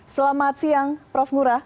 selamat siang prof ngurah